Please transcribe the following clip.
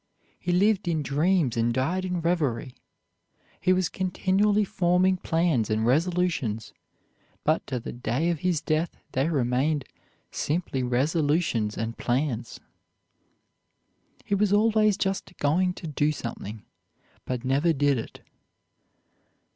He lived in dreams and died in reverie. He was continually forming plans and resolutions, but to the day of his death they remained simply resolutions and plans. He was always just going to do something, but never did it.